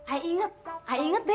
ayah inget ayah inget deng